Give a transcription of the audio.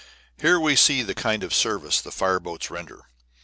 Here we see the kind of service the fire boats render.